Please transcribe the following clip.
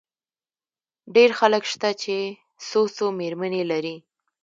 ډېر خلک شته، چي څو څو مېرمنې لري.